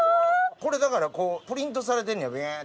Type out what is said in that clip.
これだからプリントされてんねやビュって。